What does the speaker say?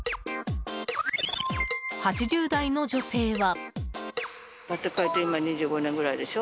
８０代の女性は。